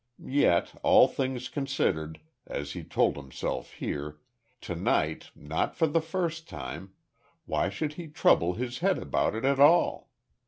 Yet, all things considered, as he told himself here, to night, not for the first time why should he trouble his head about it at all?